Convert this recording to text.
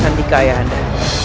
sandika ayah anda